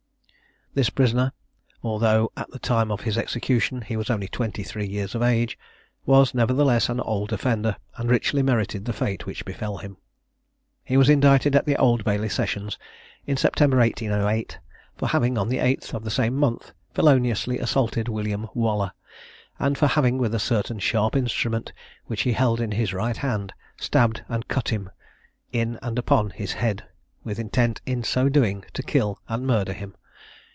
This prisoner, although at the time of his execution he was only twenty three years of age, was, nevertheless, an old offender, and richly merited the fate which befel him. He was indicted at the Old Bailey sessions, in September 1808, for having, on the 8th of the same month, feloniously assaulted William Waller; and for having with a certain sharp instrument, which he held in his right hand, stabbed and cut him in and upon his head, with intent in so doing to kill and murder him.